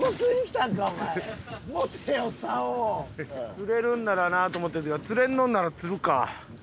釣れるんならなと思ってんけど釣れんのんなら釣るか。